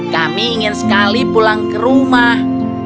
kami ingin sekali pulang ke rumah